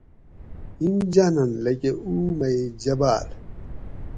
ہِم جاۤنن لکۤہ اُو مئی جبال